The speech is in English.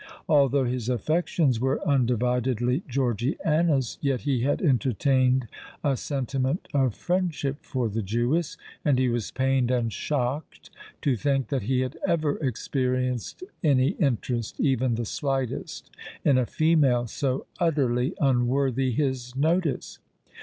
Although his affections were undividedly Georgiana's, yet he had entertained a sentiment of friendship for the Jewess; and he was pained and shocked to think that he had ever experienced any interest—even the slightest—in a female so utterly unworthy his notice.